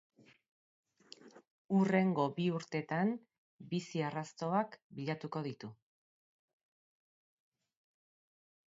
Hurrengo bi urteetan, bizi arrastoak bilatuko ditu.